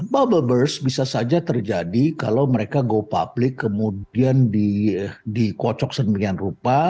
bubble burst bisa saja terjadi kalau mereka go public kemudian dikocok sedemikian rupa